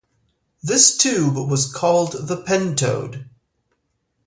This tube was called the pentode.